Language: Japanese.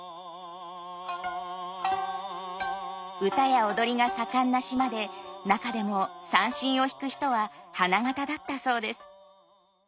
唄や踊りが盛んな島で中でも三線を弾く人は花形だったそうです。